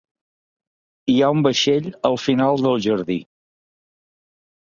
Hi ha un vaixell al final del jardí.